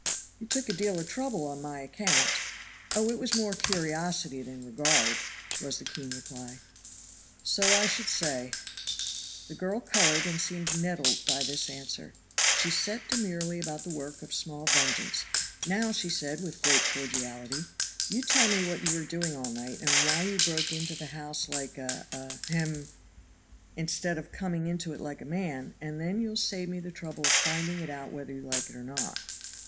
"You took a deal of trouble on my account." "Oh, it was more curiosity than regard," was the keen reply. "So I should say." The girl colored and seemed nettled by this answer. She set demurely about the work of small vengeance. "Now," said she with great cordiality, "you tell me what you were doing all night and why you broke into the house like a a hem! instead of coming into it like a man, and then you'll save me the trouble of finding it out whether you like or not."